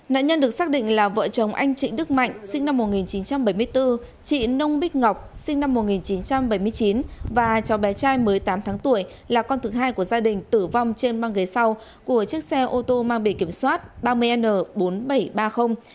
nạn nhân được xác định là vợ chồng anh trịnh đức mạnh sinh năm một nghìn chín trăm bảy mươi bốn chị nông bích ngọc sinh năm một nghìn chín trăm bảy mươi chín và cháu bé trai mới tám tháng tuổi là con thứ hai của gia đình tử vong trên mang ghế sau của chiếc xe ô tô mang bề kiểm soát ba mươi n bốn nghìn bảy trăm ba mươi